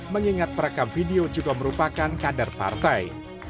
mengingat perekam video juga merupakan kader partai